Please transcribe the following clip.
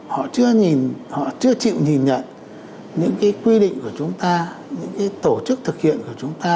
họ chưa chịu nhìn nhận những quy định của chúng ta những tổ chức thực hiện của chúng ta